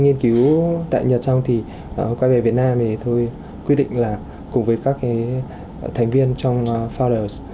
nghiên cứu tại nhật xong thì quay về việt nam thì tôi quyết định là cùng với các thành viên trong founda